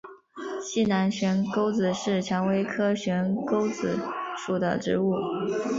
西南悬钩子是蔷薇科悬钩子属的植物。